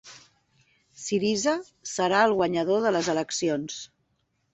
Syriza serà el guanyador de les eleccions